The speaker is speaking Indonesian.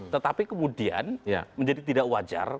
tetapi kemudian menjadi tidak wajar